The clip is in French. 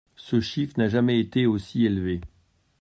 Ce chiffre n’a jamais été aussi élevé.